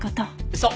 そう。